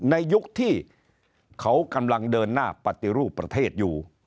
ในยุคที่เขากำลังเดินหน้าปฏิรูปประเทศอยู่